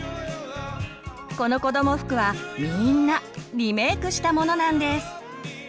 このこども服はみんなリメークしたものなんです。